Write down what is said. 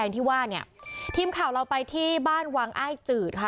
ทีมข่าวเราไปที่บ้านวางอ้ายจืดค่ะ